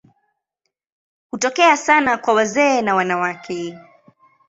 Hutokea sana kwa wazee na wanawake.